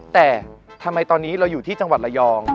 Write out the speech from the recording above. แต่ทำไมตอนนี้เราอยู่ที่จังหวัดระยอง